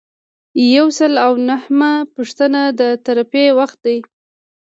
یو سل او نهمه پوښتنه د ترفیع وخت دی.